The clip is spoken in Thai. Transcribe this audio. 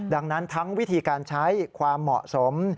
ดังนั้นทั้งวิธีการใช้ความเหมาะสม